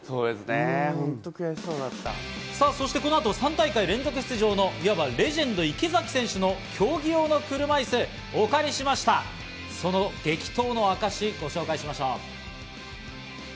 そしてこの後、３大会連続出場のレジェンド・池崎選手の競技用車いすをお借りしました、その激闘の証し、ご紹介しましょう。